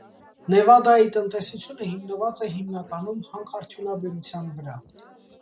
Նևադայի տնտեսությունը հիմնված է հիմնականում հանքարդյունաբերության վրա։